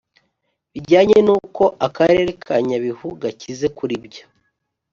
bijyanye n’uko akarere ka Nyabihu gakize kuri byo